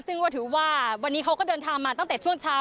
ซึ่งก็ถือว่าวันนี้เขาก็เดินทางมาตั้งแต่ช่วงเช้า